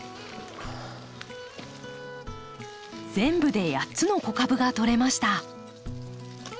全部で８つの子株がとれました。